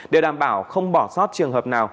để đảm bảo không bỏ sót trường hợp nào